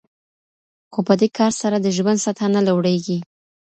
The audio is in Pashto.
خو په دې کار سره د ژوند سطحه نه لوړیږي.